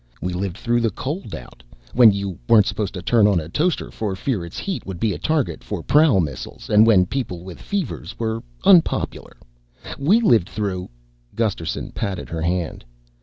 We lived through the Cold Out, when you weren't supposed to turn on a toaster for fear its heat would be a target for prowl missiles and when people with fevers were unpopular. We lived through " Gusterson patted her hand.